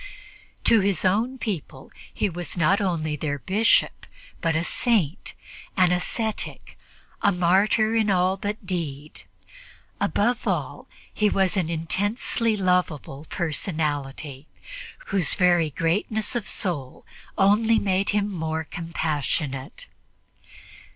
To his own people he was not only their Bishop, but a Saint, an ascetic, a martyr in all but deed; above all, he was an intensely lovable personality, whose very greatness of soul only made him more compassionate.